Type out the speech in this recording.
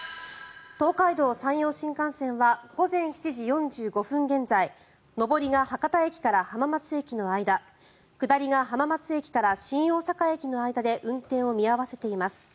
東海道・山陽新幹線は午前７時４５分現在上りが博多駅から浜松駅の間下りが浜松駅から新大阪駅の間で運転を見合わせています。